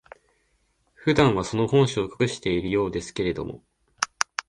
普段は、その本性を隠しているようですけれども、